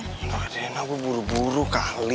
nggak ada yang nabur buru buru kali